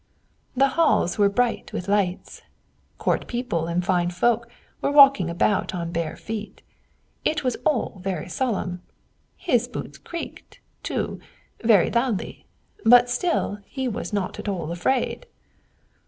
The halls were bright with lights. Court people and fine folks were walking about on bare feet; it was all very solemn. His boots creaked, too, very loudly; but still he was not at all afraid."